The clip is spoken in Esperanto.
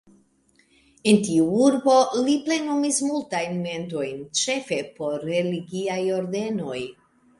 En tiu urbo li plenumis multajn mendojn, ĉefe por religiaj ordenoj.